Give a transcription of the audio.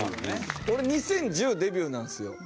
俺２０１０デビューなんですよ。